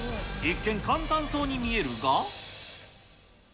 一見、簡単そうに見えるが。